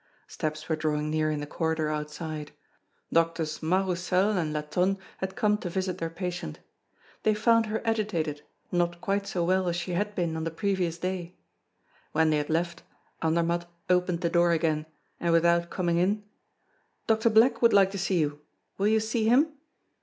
Steps were drawing near in the corridor outside. Doctors Mas Roussel and Latonne had come to visit their patient. They found her agitated, not quite so well as she had been on the previous day. When they had left, Andermatt opened the door again, and without coming in: "Doctor Black would like to see you. Will you see him?"